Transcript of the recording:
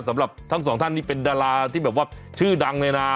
สำหรับทั้งสองท่านนี่เป็นดาราที่แบบว่าชื่อดังเลยนะ